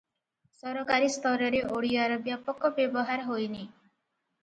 ସରକାରୀ ସ୍ତରରେ ଓଡ଼ିଆର ବ୍ୟାପକ ବ୍ୟବହାର ହୋଇନି ।